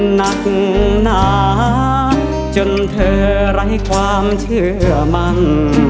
หนักหนาจนเธอไร้ความเชื่อมัน